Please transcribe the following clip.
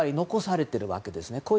残されているわけですね。